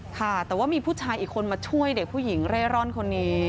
ค่ะแต่ว่ามีผู้ชายอีกคนมาช่วยเด็กผู้หญิงเร่ร่อนคนนี้